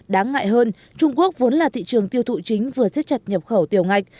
đáng ngại hơn trung quốc vốn là thị trường tiêu thụ chính vừa xếp chặt nhập khẩu tiểu ngạch